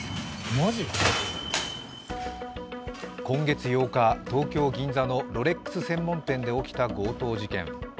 今月８日、東京・銀座のロレックス専門店で起きた強盗事件。